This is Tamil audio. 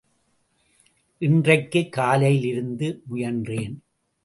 இன்றைக்குக் காலையிலிருந்து முயன்றேன்.